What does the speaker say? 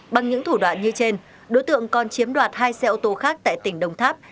bằng những thủ đoạn như trên đối tượng còn chiếm đoạt hai xe ô tô khác tại tỉnh đồng tháp